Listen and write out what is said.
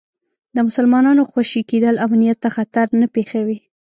د مسلمانانو خوشي کېدل امنیت ته خطر نه پېښوي.